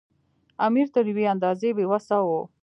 امیر تر یوې اندازې بې وسه وو.